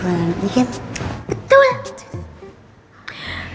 gue juga legang nyatanya kayak gini